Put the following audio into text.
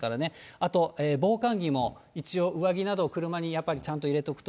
あと、防寒着も一応上着など、車に入れておくと。